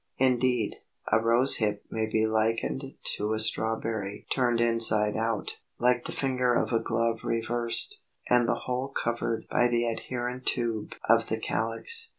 Indeed, a Rose hip may be likened to a strawberry turned inside out, like the finger of a glove reversed, and the whole covered by the adherent tube of the calyx.